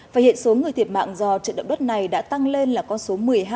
và hiện số người thiệt mạng do trận động đất này đã tăng lên là con số một mươi hai